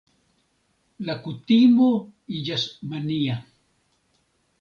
La kutimo iĝas mania.